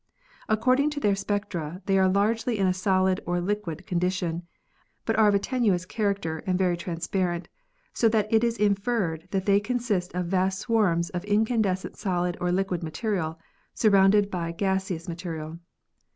According to their spectra, they are largely in a solid or liquid condition, but are of a tenuous character and very transparent, so that it is inferred that they consist of vast swarms of incandescent solid or liquid material, sur rounded by gaseous material.